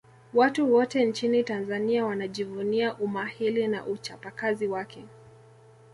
watu wote nchini tanzania wanajivunia umahili na uchapakazi wake